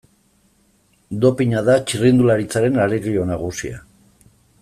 Dopina da txirrindularitzaren arerio nagusia.